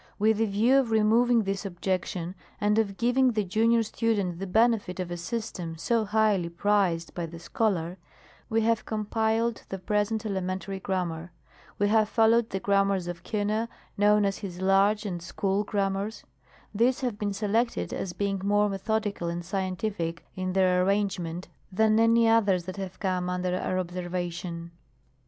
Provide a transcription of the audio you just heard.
With the view of removing this objection, and of giving the junior student the benefit of a system so highly prized by the scholar, we have compiled the present Elementary Grammar. We have followed the Grammars of Kiihner, known as his " Large " and " School " Grammars. These have been selected, as being more methodical and scientific in their arrangement than any others that have come under our observation.